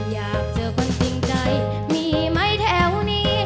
อยากเจอคนจริงใจมีไหมแถวนี้